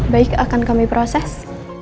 baik akan kami proses